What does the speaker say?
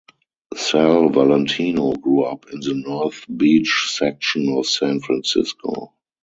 Sal Valentino grew up in the North Beach section of San Francisco.